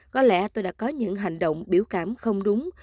có lẽ tôi đã có những hành động biểu cảm không đúng